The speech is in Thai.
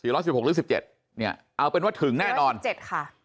สี่ร้อยสิบหกหรือสิบเจ็ดเนี่ยเอาเป็นว่าถึงแน่นอนสี่ร้อยสิบเจ็ดค่ะ